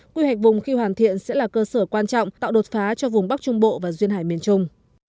quy hoạch vùng khi hoàn thiện sẽ là cơ sở quan trọng tạo đột phá cho vùng bắc trung bộ và duyên hải miền trung